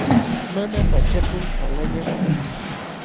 Mana pachakul qalallam kanki.